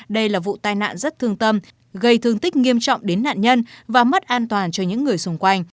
đây là vụ tai nạn rất thương tâm gây thương tích nghiêm trọng đến nạn nhân và mất an toàn cho những người xung quanh